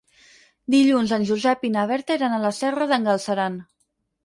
Dilluns en Josep i na Berta iran a la Serra d'en Galceran.